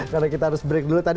karena kita harus break dulu tadi